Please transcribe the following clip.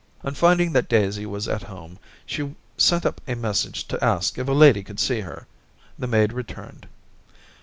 On finding that Daisy was at home, she sent up a message to ask if a lady could see her. The maid returned.